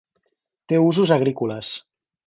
Té usos agrícoles.